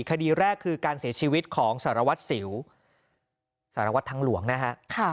คดีแรกคือการเสียชีวิตของสารวัตรสิวสารวัตรทางหลวงนะฮะ